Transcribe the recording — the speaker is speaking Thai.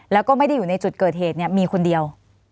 แล้วก็ไม่ได้อยู่ในจุดเกิดเหตุมีคนเดียว